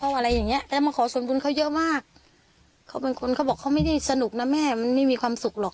หรือสมดุลเค้าบอกว่าเขาไม่ได้สนุกนะแม่มันไม่มีความสุขหรอก